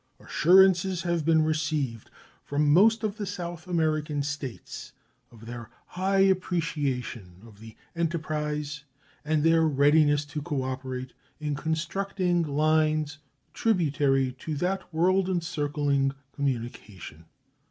Assurances have been received from most of the South American States of their high appreciation of the enterprise and their readiness to cooperate in constructing lines tributary to that world encircling communication.